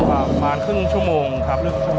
ประมาณครึ่งชั่วโมงครับลึกชั่วโมง